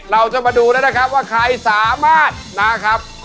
เราจะมาดูแล้วนะครับว่าใครสามารถนะครับ